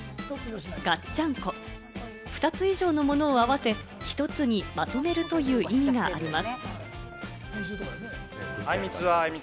「がっちゃんこ」、２つ以上のものを合わせ１つにまとめるという意味があります。